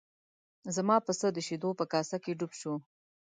زما پسه د شیدو په کاسه کې ډوب شو.